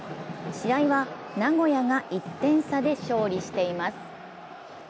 試合は名古屋が１点差で勝利しています。